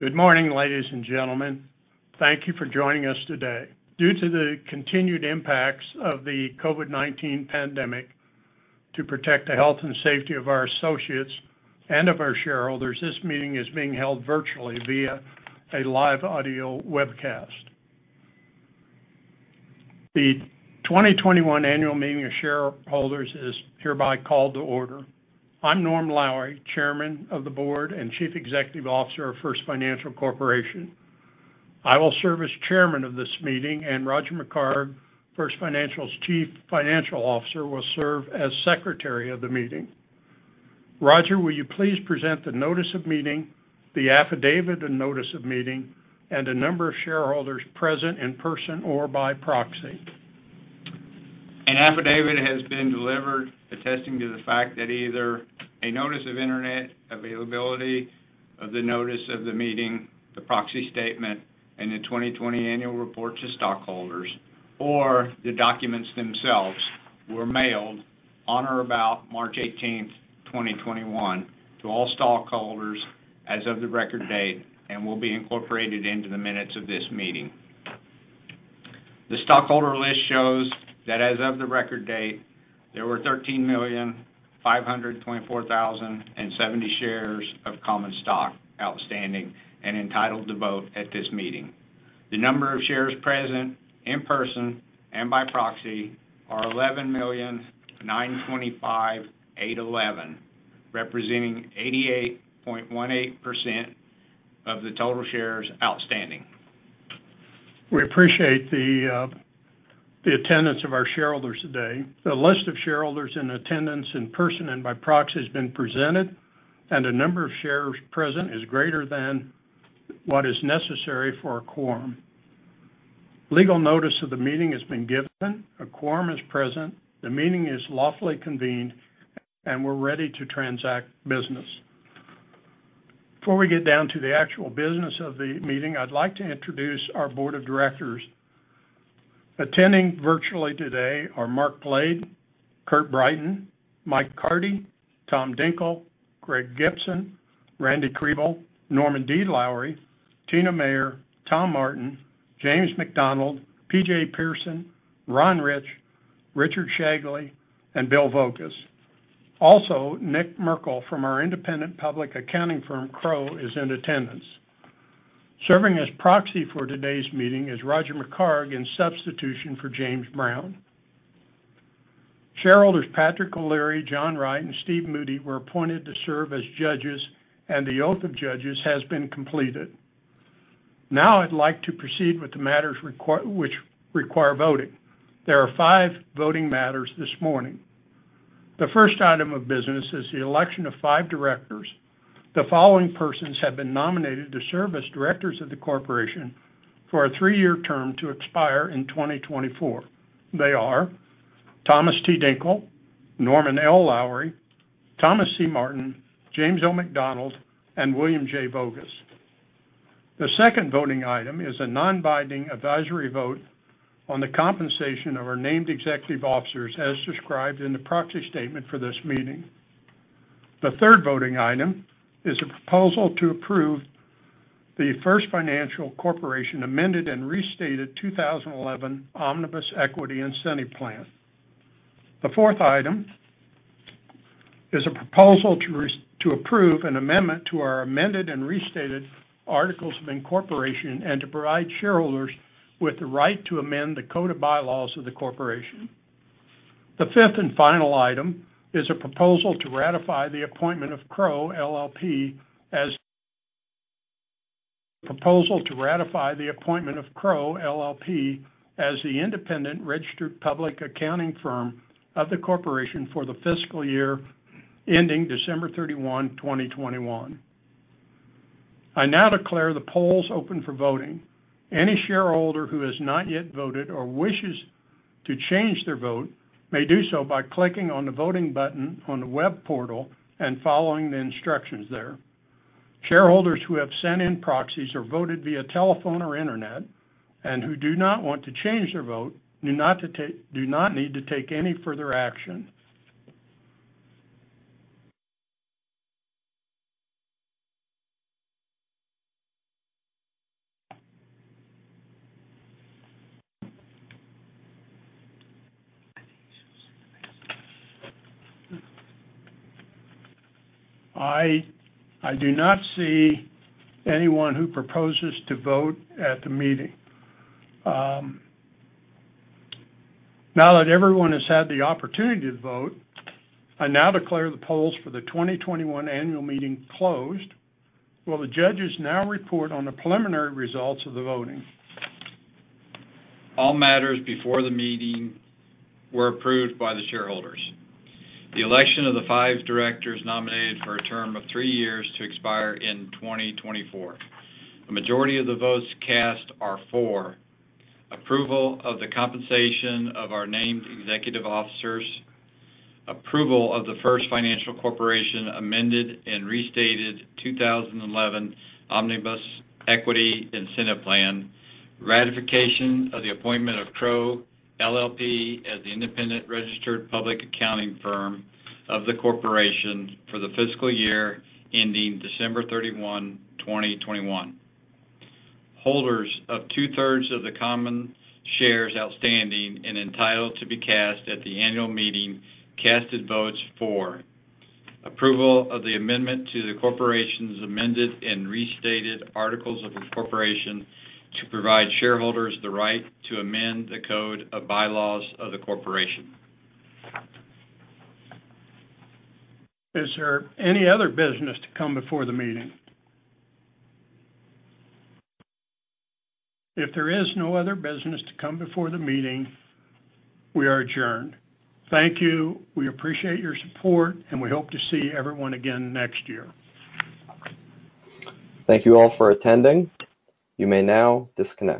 Good morning, ladies and gentlemen. Thank you for joining us today. Due to the continued impacts of the COVID-19 pandemic, to protect the health and safety of our associates and of our shareholders, this meeting is being held virtually via a live audio webcast. The 2021 annual meeting of shareholders is hereby called to order. I'm Norm Lowery, Chairman of the Board and Chief Executive Officer of First Financial Corporation. I will serve as chairman of this meeting, and Rodger McHargue, First Financial's Chief Financial Officer, will serve as secretary of the meeting. Rodger, will you please present the notice of meeting, the affidavit of notice of meeting, and the number of shareholders present in person or by proxy? An affidavit has been delivered attesting to the fact that either a notice of internet availability of the notice of the meeting, the proxy statement, and the 2020 annual report to stockholders, or the documents themselves were mailed on or about March 18th, 2021, to all stockholders as of the record date and will be incorporated into the minutes of this meeting. The stockholder list shows that as of the record date, there were 13,524,070 shares of common stock outstanding and entitled to vote at this meeting. The number of shares present in person and by proxy are 11,925,811, representing 88.18% of the total shares outstanding. We appreciate the attendance of our shareholders today. The list of shareholders in attendance in person and by proxy has been presented, and the number of shares present is greater than what is necessary for a quorum. Legal notice of the meeting has been given. A quorum is present. The meeting is lawfully convened, and we're ready to transact business. Before we get down to the actual business of the meeting, I'd like to introduce our board of directors. Attending virtually today are Mark Blade, Kurt Brighton, Mike Carty, Tom Dinkel, Greg Gibson, Randy Kriebel, Norman D. Lowery, Tina Mayer, Tom Martin, James McDonald, PJ Pearson, Ron Rich, Richard Shagley, and Bill Voges. Also, Nick Merkel from our independent public accounting firm, Crowe, is in attendance. Serving as proxy for today's meeting is Rodger McHargue in substitution for James Brown. Shareholders Patrick O'Leary, John Wright, and Steve Moody were appointed to serve as judges, and the oath of judges has been completed. I'd like to proceed with the matters which require voting. There are five voting matters this morning. The first item of business is the election of five directors. The following persons have been nominated to serve as directors of the corporation for a three-year term to expire in 2024. They are Thomas T. Dinkel, Norman L. Lowery, Thomas C. Martin, James O. McDonald, and William J. Voges. The second voting item is a non-binding advisory vote on the compensation of our named executive officers as described in the proxy statement for this meeting. The third voting item is a proposal to approve the First Financial Corporation Amended and Restated 2011 Omnibus Equity Incentive Plan. The fourth item is a proposal to approve an amendment to our amended and restated articles of incorporation and to provide shareholders with the right to amend the code of bylaws of the corporation. The fifth and final item is a proposal to ratify the appointment of Crowe LLP as the independent registered public accounting firm of the corporation for the fiscal year ending December 31, 2021. I now declare the polls open for voting. Any shareholder who has not yet voted or wishes to change their vote may do so by clicking on the voting button on the web portal and following the instructions there. Shareholders who have sent in proxies or voted via telephone or internet, and who do not want to change their vote, do not need to take any further action. I do not see anyone who proposes to vote at the meeting. Now that everyone has had the opportunity to vote, I now declare the polls for the 2021 annual meeting closed. Will the judges now report on the preliminary results of the voting? All matters before the meeting were approved by the shareholders. The election of the five directors nominated for a term of three years to expire in 2024. The majority of the votes cast are for approval of the compensation of our named executive officers, approval of the First Financial Corporation Amended and Restated 2011 Omnibus Equity Incentive Plan, ratification of the appointment of Crowe LLP as the independent registered public accounting firm of the corporation for the fiscal year ending December 31, 2021. Holders of two-thirds of the common shares outstanding and entitled to be cast at the annual meeting casted votes for approval of the amendment to the corporation's amended and restated articles of incorporation to provide shareholders the right to amend the code of bylaws of the corporation. Is there any other business to come before the meeting? If there is no other business to come before the meeting, we are adjourned. Thank you. We appreciate your support, and we hope to see everyone again next year. Thank you all for attending. You may now disconnect.